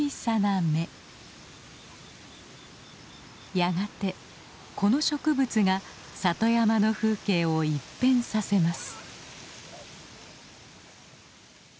やがてこの植物が里山の風景を一変させます。